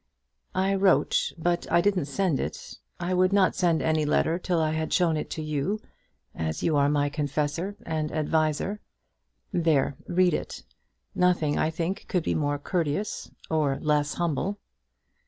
"I wrote; but I didn't send it. I would not send any letter till I had shown it to you, as you are my confessor and adviser. There; read it. Nothing, I think, could be more courteous or less humble."